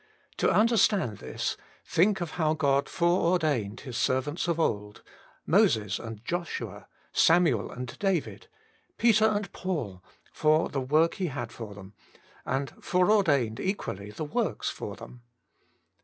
To understand this, think of how God fore ordained His servants of old, Moses and Joshua, Samuel and David, Peter and Paul, for the work He had for them, and fore ordained equally the works for them.